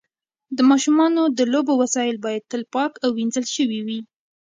د ماشومانو د لوبو وسایل باید تل پاک او وینځل شوي وي.